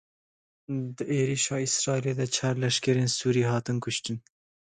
Di êrişa Îsraîlê de çar leşkerên Sûrî hatin kuştin.